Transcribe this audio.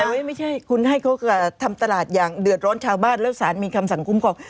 แต่ไม่ใช่คุณให้เขาทำตลาดอย่างเดือดร้อนชาวบ้านแล้วสารมีคำสั่งคุ้มครอง